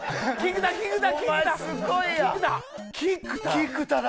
菊田だ！